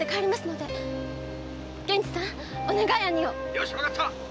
よしわかった！